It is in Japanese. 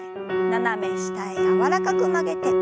斜め下へ柔らかく曲げて。